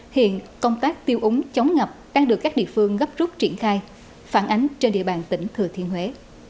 hiện công tác tiêu úng chống ngập đang được các địa phương gấp rút triển khai phản ánh trên địa bàn tỉnh thừa thiên huế